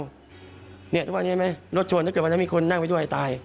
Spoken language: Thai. เนี้ยเดี๋ยวว่าเนี้ยไหมรถชนถ้าเกิดวันนั้นมีคนนั่งไปด้วยตาย